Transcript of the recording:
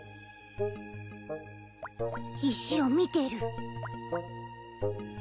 石を見てる。